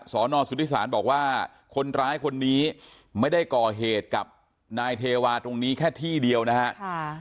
สอนอสุทธิศาลบอกว่าคนร้ายคนนี้ไม่ได้ก่อเหตุกับนายเทวาตรงนี้แค่ที่เดียวนะครับ